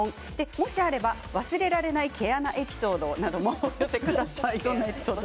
もしあれば、忘れられない毛穴エピソードなども寄せてください。